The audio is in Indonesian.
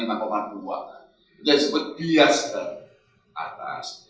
itu disebut bias ke atas